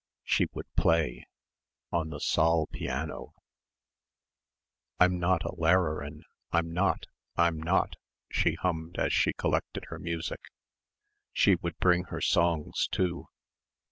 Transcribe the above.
She would play ... on the saal piano. "I'm not a Lehrerin I'm not I'm not," she hummed as she collected her music ... she would bring her songs too....